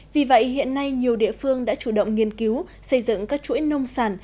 vì vậy hiện nay nhiều địa phương đã chủ động nghiên cứu xây dựng các chuỗi nông sản